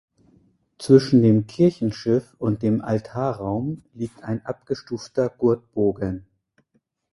Zwischen dem Kirchenschiff und dem Altarraum liegt ein abgestufter Gurtbogen.